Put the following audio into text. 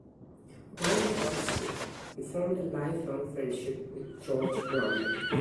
While at Oxford, he formed a lifelong friendship with George Grant.